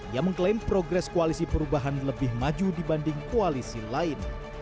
ia mengklaim progres koalisi perubahan lebih maju dibanding koalisi lain